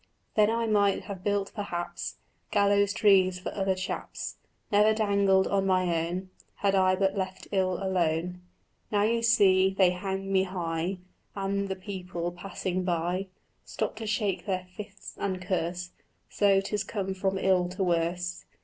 "Then I might have built perhaps Gallows trees for other chaps, Never dangled on my own, Had I but left ill alone." "Now, you see, they hang me high, And the people passing by Stop to shake their fists and curse; So 'tis come from ill to worse."